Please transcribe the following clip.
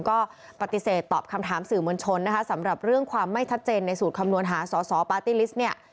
ก็ปฏิเสธตอบคำถามสื่อมวลชนนะคะสำหรับเรื่องความไม่ชัดเจนในสูตรคำนวณหาสอสอปาร์ตี้ลิสต์เนี่ย